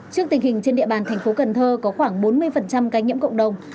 trước tình hình trên địa bàn thành phố cần thơ có khoảng bốn mươi cái nhiễm cộng đồng